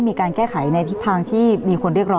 มีการแก้ไขทางที่มีคนเรียกล้อง